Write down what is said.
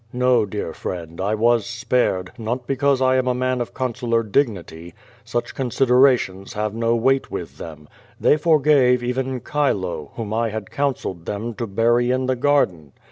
No, dear friend, 1 was spared, not because 1 am a man of consular dignity. Such considerations have no weight with them. They forgave even Chilo, whom J had counselled them to bury in the garden.